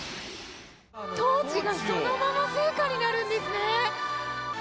トーチがそのまま聖火になるんですね。